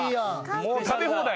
もう食べ放題。